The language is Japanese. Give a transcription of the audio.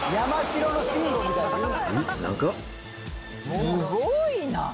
すごいな！